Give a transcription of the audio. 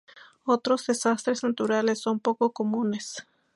Otros desastres naturales son poco comunes.